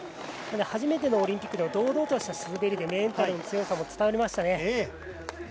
初めてのオリンピックで堂々とした滑りでメンタルの強さも伝わりましたね。